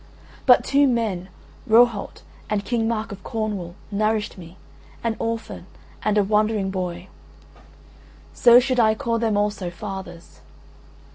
But two men Rohalt and King Mark of Cornwall nourished me, an orphan, and a wandering boy. So should I call them also fathers.